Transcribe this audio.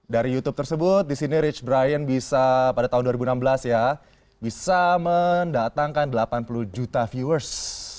dari youtube tersebut di sini rich brian bisa pada tahun dua ribu enam belas ya bisa mendatangkan delapan puluh juta viewers